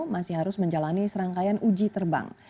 masih harus menjalani serangkaian uji terbang